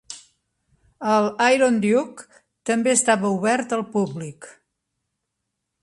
El "Iron Duke" també estava obert al públic.